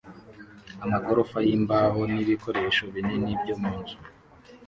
amagorofa yimbaho nibikoresho binini byo mu nzu.